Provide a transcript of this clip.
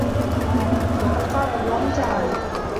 وَقَدْ قَالَ اللَّهُ تَعَالَى